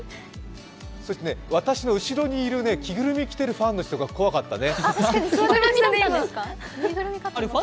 私の後ろにいる着ぐるみ着ているファンの人が怖かったね。